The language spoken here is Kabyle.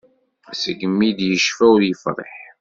Segmi d-yecfa ur yefriḥ.